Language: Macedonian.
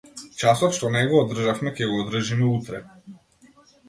Часот што не го одржавме ќе го одржиме утре.